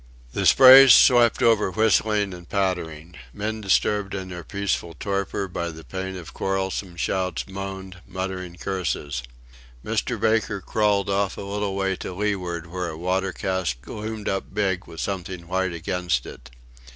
The sprays swept over whistling and pattering. Men disturbed in their peaceful torpor by the pain of quarrelsome shouts, moaned, muttering curses. Mr. Baker crawled off a little way to leeward where a water cask loomed up big, with something white against it.